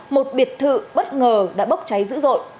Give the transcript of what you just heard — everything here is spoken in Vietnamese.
một biệt thự bất ngờ đã bốc cháy dữ dội